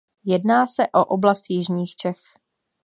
Jedná se o oblast Jižních Čech.